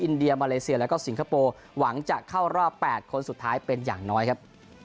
อินเดียมาเลเซียแล้วก็สิงคโปร์หวังจะเข้ารอบ๘คนสุดท้ายเป็นอย่างน้อยครับ